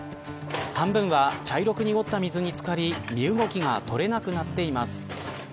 半分は茶色く濁った水につかり身動きが取れなくなっています。